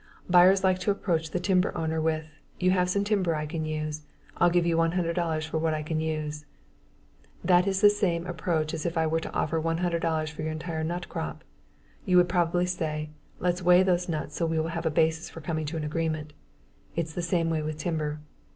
Buyers like to approach the timber owner with, "You have some timber I can use. I'll give you $100 for what I can use." That is the same approach as if I were to offer $100 for your entire nut crop. You would probably say, "Let's weigh those nuts so we will have a basis for coming to an agreement." It's the same way with timber.